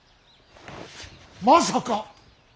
まさか。